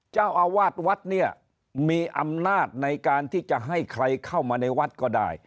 เจ้าอาวาสวัดเนี่ยมีอำนาจในการที่จะให้ใครเข้ามาในวัดก็ได้